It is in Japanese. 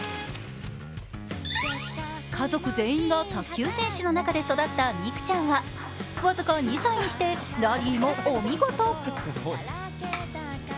家族全員が卓球選手の中で育った美空ちゃんは僅か２歳にしてラリーもお見事。